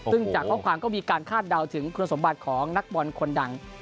ซึ่งจากข้อความก็มีการคาดเดาถึงคุณสมบัติของนักบอลคนดัง